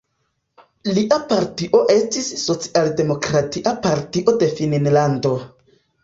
Lia partio estis Socialdemokratia Partio de Finnlando.